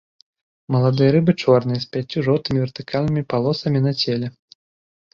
Маладыя рыбы чорныя з пяццю жоўтымі вертыкальнымі палосамі на целе.